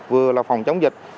vừa là phòng chống dịch